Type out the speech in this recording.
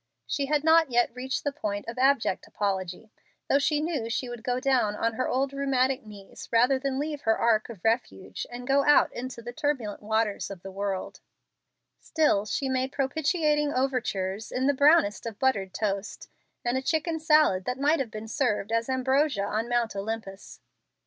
She had not yet reached the point of abject apology, though she knew she would go down on her old rheumatic knees rather than leave her ark of refuge and go out into the turbulent waters of the world; still she made propitiating overtures in the brownest of buttered toast, and a chicken salad that might have been served as ambrosia on Mount Olympus.